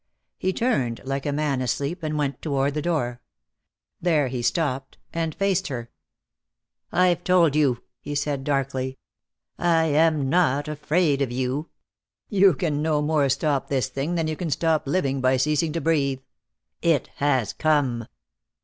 He turned like a man asleep and went toward the door. There he stopped and faced her. "I've told you," he said darkly. "I am not afraid of you. You can no more stop this thing than you can stop living by ceasing to breathe. It has come."